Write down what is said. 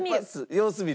様子見る？